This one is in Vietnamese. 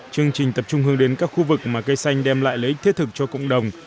chương trình tập trung hướng đến các khu vực mà cây xanh đem lại lợi ích thiết thực cho cộng đồng